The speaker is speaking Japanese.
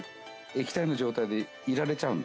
液体の状態でいられちゃうんですよ。